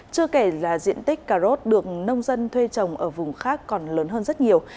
chưa kể là diện tích cà rốt được nông dân thuê trồng ở vùng khác còn lớn hơn rất nhiều